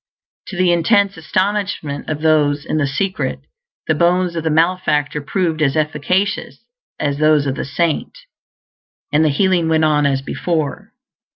To the intense astonishment of those in the secret, the bones of the malefactor proved as efficacious as those of the saint; and the healing went on as before.